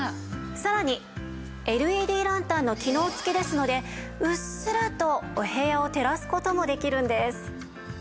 さらにＬＥＤランタンの機能付きですのでうっすらとお部屋を照らす事もできるんです。